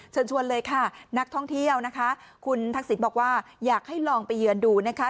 เชิญชวนเลยค่ะนักท่องเที่ยวนะคะคุณทักษิณบอกว่าอยากให้ลองไปเยือนดูนะคะ